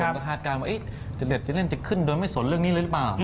ก็คาดการว่าเจรดเจเล่นจะขึ้นโดยไม่สนเรื่องนี้หรือเปล่า